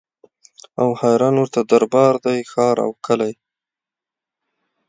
او حیران ورته دربار دی ښار او کلی